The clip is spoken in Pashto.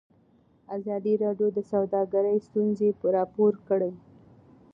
ازادي راډیو د سوداګري ستونزې راپور کړي.